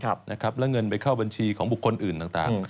แล้วเงินไปเข้าบัญชีของบุคคลอื่นต่าง